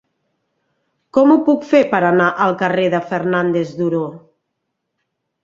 Com ho puc fer per anar al carrer de Fernández Duró?